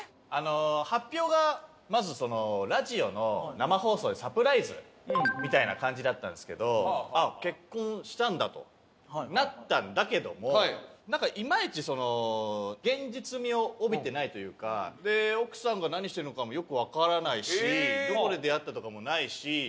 発表がまずラジオの生放送でサプライズみたいな感じだったんですけど「あっ結婚したんだ」となったんだけどもいまいち現実味を帯びてないというか奥さんが何してるのかもよくわからないしどこで出会ったとかもないし会ってないのよ